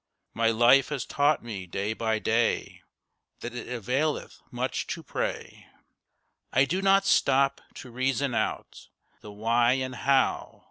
My life has taught me day by day That it availeth much to pray. I do not stop to reason out The why and how.